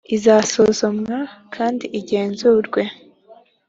izasuzumwe kandi ingenzurwe.